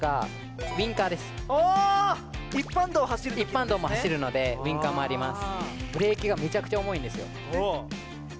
一般道も走るのでウィンカーもあります。